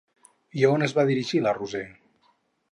I a on es va dirigir la Roser?